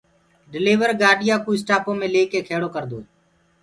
ڊليور گآڏِيآ ڪو اسٽآپو مي ليڪي کيڙو ڪردوئي